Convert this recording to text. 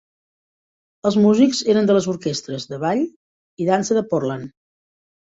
Els músics eren de les orquestres de ball i dansa de Portland.